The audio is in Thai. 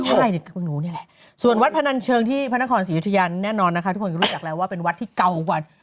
ใช่นี่แหละส่วนวัดพนัญเชิงที่พันธ์ครตสียุทยานแน่นอนทุกคนก็รู้จักแล้วว่าเป็นวัดที่เก่ากว่า